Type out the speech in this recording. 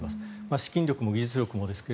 資金力も技術力もですが。